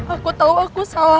aku tau aku salah